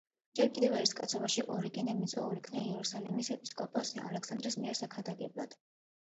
ჯერ კიდევ ერისკაცობაში ორიგენე მიწვეულ იქნა იერუსალიმის ეპისკოპოს ალექსანდრეს მიერ საქადაგებლად.